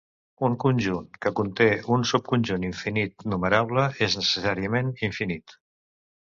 Un conjunt que conté un subconjunt infinit numerable és necessàriament infinit.